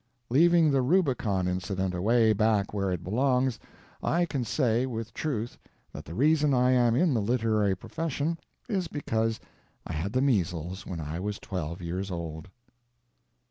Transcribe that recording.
Leaving the Rubicon incident away back where it belongs, I can say with truth that the reason I am in the literary profession is because I had the measles when I was twelve years old.